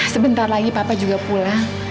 sebentar lagi papa juga pulang